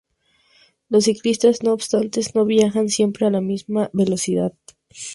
Los ciclistas, no obstante, no viajan siempre a la máxima velocidad.